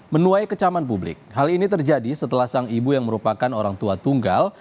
menuai kecaman publik hal ini terjadi setelah sang ibu yang merupakan orang tua tunggal